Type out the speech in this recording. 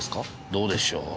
どうでしょう。